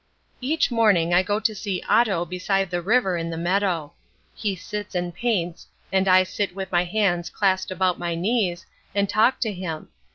Each morning I go to see Otto beside the river in the meadow. He sits and paints, and I sit with my hands clasped about my knees and talk to him.